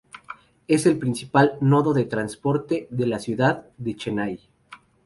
Es el principal nodo de transporte de la ciudad de Chennai.